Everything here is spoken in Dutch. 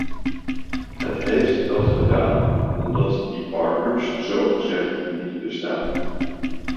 Het heeft dat gedaan omdat die partners zogezegd niet bestaan.